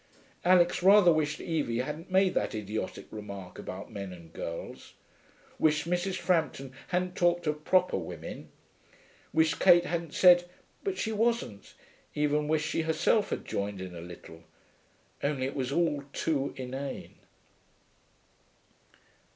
Alix rather wished Evie hadn't made that idiotic remark about men and girls; wished Mrs. Frampton hadn't talked of proper women; wished Kate hadn't said 'But she wasn't'; even wished she herself had joined in a little. Only it was all too inane....